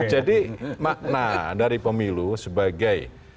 jadi makna dari pemilu sebagai